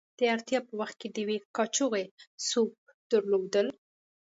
د اړتیا په وخت کې د یوې کاشوغې سوپ درلودل.